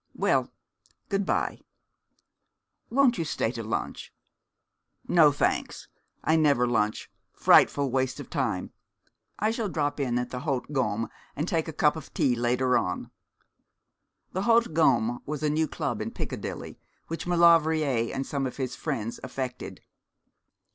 Well, good bye.' 'Won't you stay to lunch?' 'No, thanks, I never lunch frightful waste of time. I shall drop in at the Haute Gomme and take a cup of tea later on.' The Haute Gomme was a new club in Piccadilly, which Maulevrier and some of his friends affected.